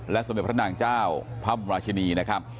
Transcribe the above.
และสมเด็ตพระนางเจ้าพับราชนีนะครับ